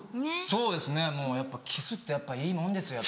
そうですねやっぱキスっていいもんですよ。